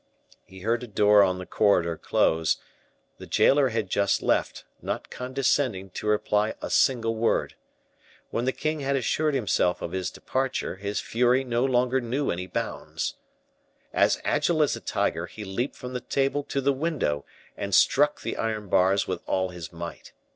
He heard a door on the corridor close; the jailer had just left, not condescending to reply a single word. When the king had assured himself of his departure, his fury knew no longer any bounds. As agile as a tiger, he leaped from the table to the window, and struck the iron bars with all his might.